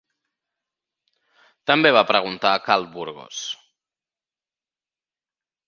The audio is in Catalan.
També va preguntar a Carl Burgos.